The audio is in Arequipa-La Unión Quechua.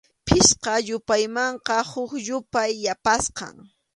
Pichqa yupaymanqa huk yupay yapasqam.